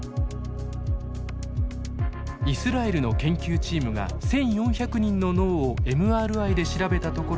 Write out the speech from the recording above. イスラエルの研究チームが１，４００人の脳をＭＲＩで調べたところ